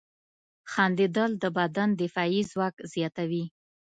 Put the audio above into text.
• خندېدل د بدن دفاعي ځواک زیاتوي.